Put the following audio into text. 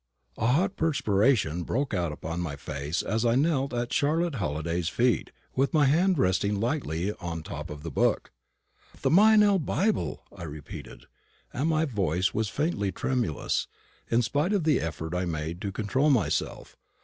A hot perspiration broke out upon my face as I knelt at Charlotte Halliday's feet, with my hand resting lightly on the top of the book. "The Meynell Bible!" I repeated; and my voice was faintly tremulous, in spite of the effort I made to control myself.